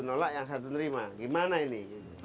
nolak yang satu nerima gimana ini